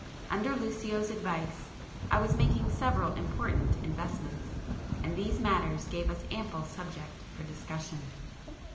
Under Lucio's advice I was making several important investments, and these matters gave us ample subject for discussion.